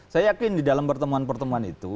saya yakin di dalam pertemuan pertemuan itu